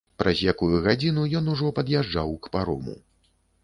Праз якую гадзіну ён ужо пад'язджаў к парому.